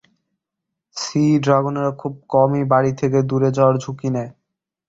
C ড্রাগনেরা খুব কমই বাড়ি থেকে দূরে যাওয়ার ঝুঁকি নেয়।